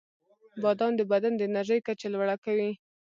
• بادام د بدن د انرژۍ کچه لوړه کوي.